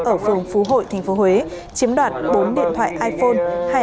ở phường phú hội tp huế chiếm đoạn bốn điện thoại iphone hai ipad và năm mươi một usd